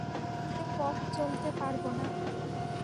ওঁকে নিয়ে পথ চলতে পারব না।